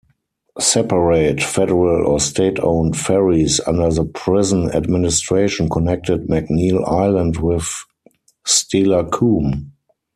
Separate federal or state-owned ferries under the prison administration connected McNeil Island with Steilacoom.